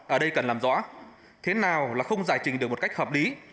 ở đây cần làm rõ thế nào là không giải trình được một cách hợp lý